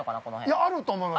◆あると思います。